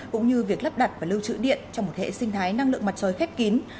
cũng như việc lắp đặt và lưu trữ điện trong một hệ sinh thái năng lượng mặt trời khép kín